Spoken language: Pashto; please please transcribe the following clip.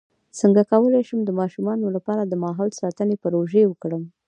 څنګه کولی شم د ماشومانو لپاره د ماحول ساتنې پروژې وکړم